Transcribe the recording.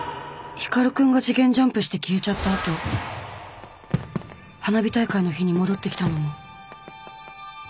光くんが次元ジャンプして消えちゃったあと花火大会の日に戻ってきたのも。